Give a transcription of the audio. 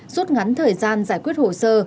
suốt ngắn thời gian giải quyết hồ sơ